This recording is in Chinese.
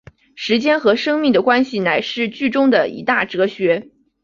时间和生命的关系乃是剧中的一大哲学。